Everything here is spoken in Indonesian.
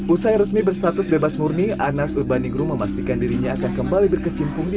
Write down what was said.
usai resmi berstatus bebas murni anas urbaningrum memastikan dirinya akan kembali berkecimpung di